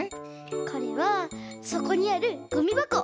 これはそこにあるごみばこ。